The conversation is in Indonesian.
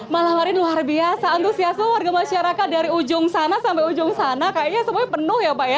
malam hari ini luar biasa antusiasme warga masyarakat dari ujung sana sampai ujung sana kayaknya semuanya penuh ya pak ya